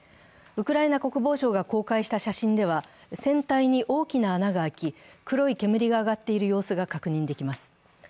ウクライナ国防省が公開した写真では船体に大きな穴が開き、黒い煙が上がっている様子が確認できます。